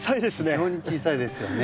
非常に小さいですよね。